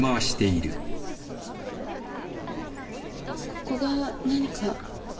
ここが何か？